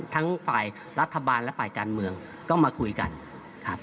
ทั้งฝ่ายรัฐบาลและฝ่ายการเมืองก็มาคุยกันครับ